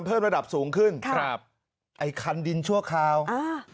เพิ่มระดับสูงขึ้นครับไอ้คันดินชั่วคราวอ่า